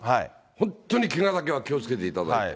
本当に、けがだけは気をつけていただきたい。